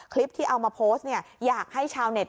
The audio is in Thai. คลิปที่เอามาโพสต์เนี่ยอยากให้ชาวเน็ต